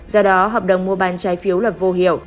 do đó hợp đồng mua bán trái phiếu là vô hiệu